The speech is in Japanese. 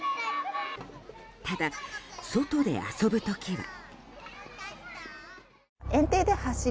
ただ、外で遊ぶ時は。